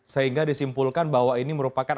sehingga disimpulkan bahwa ini merupakan